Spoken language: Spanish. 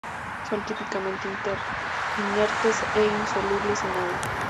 Son típicamente inertes e insolubles en agua.